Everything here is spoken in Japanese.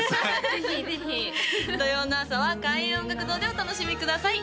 ぜひぜひ土曜の朝は開運音楽堂でお楽しみください